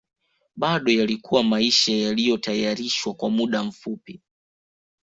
Bado yalikuwa maisha yaliyotayarishwa kwa muda mfupi